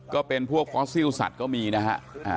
ก็เป็นพวกฟอสซิลสัตว์ก็มีนะฮะ